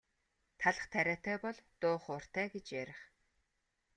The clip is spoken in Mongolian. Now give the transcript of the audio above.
Талх тариатай бол дуу хууртай гэж ярих.